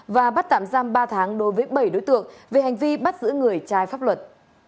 và bắt tạm giam ba tháng đối với bảy đối tượng về hành vi bắt giữ người trái pháp luật